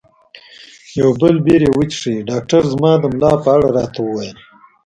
یو بل بیر وڅښم؟ ډاکټر زما د ملا په اړه راته وویل.